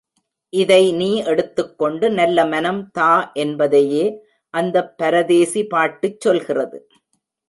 இதை நீ எடுத்துக் கொண்டு நல்ல மனம் தா என்பதையே அந்தப் பரதேசி பாட்டுச் சொல்கிறது.